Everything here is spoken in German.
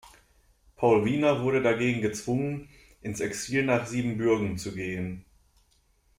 Paul Wiener wurde dagegen gezwungen, ins Exil nach Siebenbürgen zu gehen.